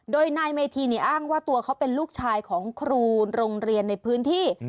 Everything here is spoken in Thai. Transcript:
โดยนายเมธีอ้างว่าตัวเขาเป็นลูกชายของครูโรงเรียนในพื้นที่